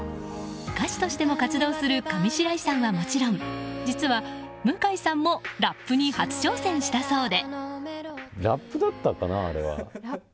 歌手としても活動する上白石さんはもちろん実は、向井さんもラップに初挑戦したそうで。